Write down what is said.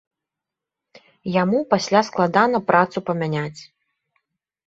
Яму пасля складана працу памяняць.